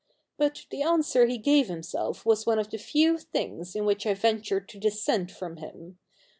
But the answer he gave himself was one of the few things in which I venture to dissent from him.